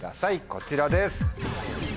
こちらです。